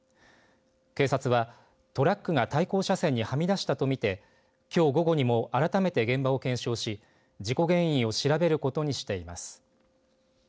警察はトラックが対向車線にはみ出したと見てきょう午後にも改めて現場を検証し事故原因を調べることにしています。